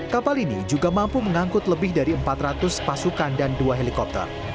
kapal ini juga mampu mengangkut lebih dari empat ratus pasukan dan dua helikopter